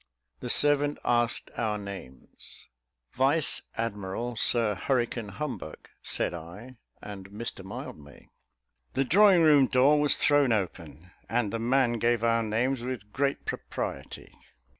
The servant asked our names. "Vice Admiral Sir Hurricane Humbug," said I, "and Mr Mildmay." The drawing room door was thrown open, and the man gave our names with great propriety.